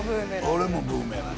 俺もブーメラン。